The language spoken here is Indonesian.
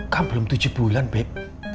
kan belum tujuh bulan bek